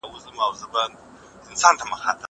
زه نان خوړلی دی!!